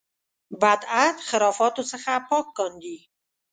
بدعت خرافاتو څخه پاک کاندي.